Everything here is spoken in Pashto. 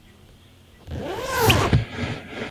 ولي زیارکښ کس د مخکښ سړي په پرتله ښه ځلېږي؟